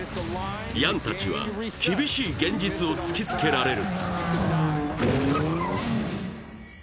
ヤンたちは厳しい現実を突きつけられる。